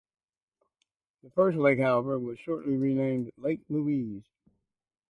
This first lake however, was shortly renamed Lake Louise.